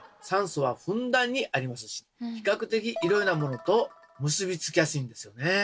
酸素はふんだんにありますし比較的いろいろなものと結びつきやすいんですよね。